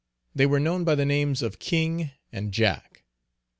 They were known by the names of King and Jack.